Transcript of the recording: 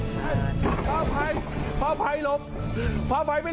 หลบไม่ได้